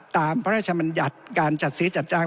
ตามพระราชมัญญัติการจัดซื้อจัดจ้าง